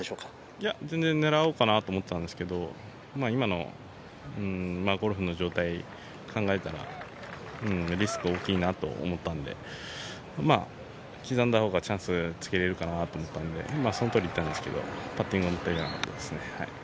いや、全然狙おうかなと思ってたんですけど今のゴルフの状態、考えたらリスク大きいかなと思ったんで刻んだ方がチャンス作れるかなと思ったのでそのとおりいったんですけどパッティングが思ったよりいかなかったですね。